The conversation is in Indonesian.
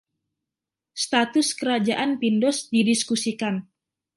Status Kerajaan Pindos didiskusikan.